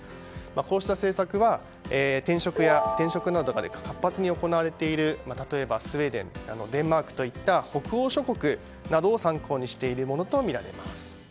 こうした政策は転職などが活発に行われているスウェーデンデンマークといった北欧諸国などを参考にしているものとみられます。